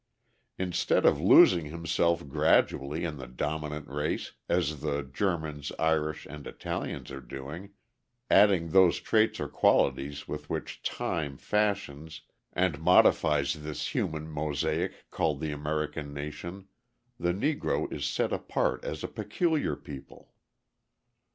Instead of losing himself gradually in the dominant race, as the Germans, Irish, and Italians are doing, adding those traits or qualities with which Time fashions and modifies this human mosaic called the American nation, the Negro is set apart as a peculiar people.